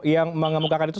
yang mengkemukakan itu